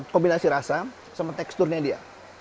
kombinasi rasa sama teksturnya dia